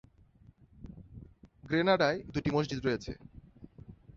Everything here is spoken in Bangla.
গ্রেনাডায় দুটি মসজিদ রয়েছে।